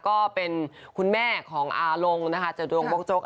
ก็เป็นคุณแม่ของอารงค์จตุลงโบ๊คโจ๊ก